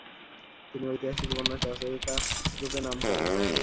তিনি ঐতিহাসিক উপন্যাস রচয়িতা রূপে নাম করেন।